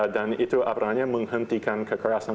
dan itu menghentikan kekerasan